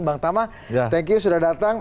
bang tama thank you sudah datang